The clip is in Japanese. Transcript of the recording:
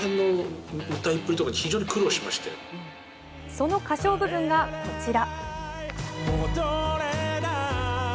その歌唱部分がこちら。